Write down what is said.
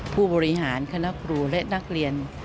ผู้บริหารคณะครูและนักเรียน